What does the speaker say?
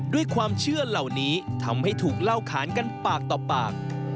ด้วยความเชื่อเหล่านี้ทำให้ถูกเล่าขานกันปากต่อปาก